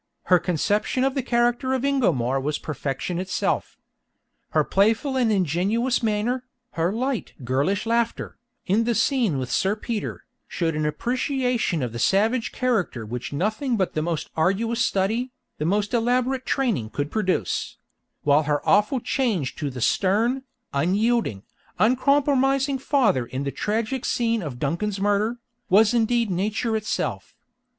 Her conception of the character of Ingomar was perfection itself; her playful and ingenuous manner, her light girlish laughter, in the scene with Sir Peter, showed an appreciation of the savage character which nothing but the most arduous study, the most elaborate training could produce; while her awful change to the stern, unyielding, uncompromising father in the tragic scene of Duncan's murder, was indeed nature itself.